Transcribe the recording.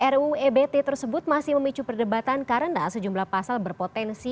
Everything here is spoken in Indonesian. ruu ebt tersebut masih memicu perdebatan karena sejumlah pasal berpotensi